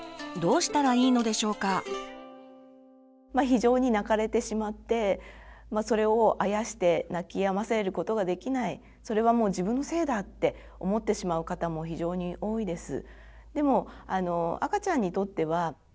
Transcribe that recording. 非常に泣かれてしまってそれをあやして泣きやませることができないそれはもう自分のせいだって思ってしまう方も非常に多いです。